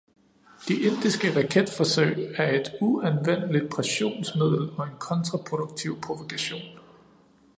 De indiske raketforsøg er et uanvendeligt pressionsmiddel og en kontraproduktiv provokation.